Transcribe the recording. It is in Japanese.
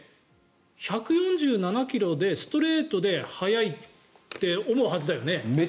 だって１４７ｋｍでストレートで速いって思うはずだよね。